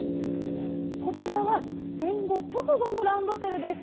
こちらは戦後直後のランドセルです。